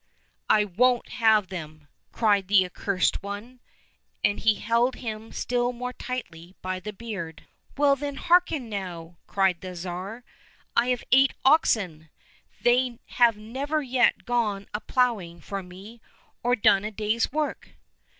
—" I won't have them !" cried the Accursed One, and he held him still more tightly by the beard. 57 COSSACK FAIRY TALES " Well, then, hearken now !" cried the Tsar. " I have eight oxen. They have never yet gone a ploughing for me, or done a day's work.